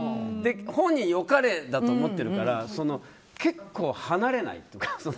本人は良かれと思っているから結構、離れない。